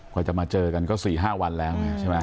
กว่าจะมาเจอกันก็๔๕วันแล้วไงใช่ไหม